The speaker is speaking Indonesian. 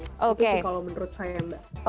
itu sih kalau menurut saya mbak